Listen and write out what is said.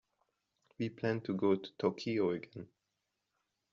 We plan to go to Tokyo again.